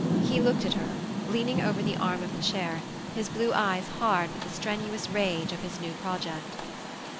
He looked at her, leaning over the arm of the chair, his blue eyes hard with the strenuous rage of his new project.